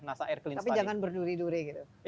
nasa air clean study tapi jangan berduri duri gitu